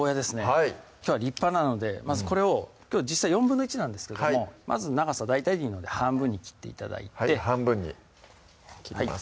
はいきょうは立派なのでまずこれをきょう実際１／４なんですけどもまず長さ大体でいいので半分に切って頂いて半分に切ります